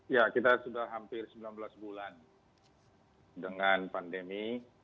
ya kita sudah hampir sembilan belas bulan dengan pandemi